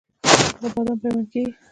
د غره بادام پیوند کیږي؟